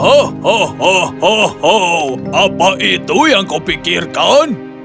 hohohoho apa itu yang kau pikirkan